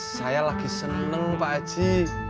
saya lagi seneng pak haji